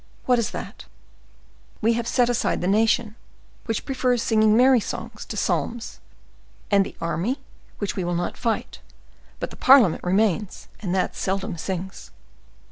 "What is that?" "We have set aside the nation, which prefers singing merry songs to psalms, and the army, which we will not fight; but the parliament remains, and that seldom sings."